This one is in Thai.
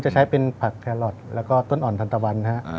จะใช้เป็นผักแครอทแล้วก็ต้นอ่อนทันตะวันนะฮะ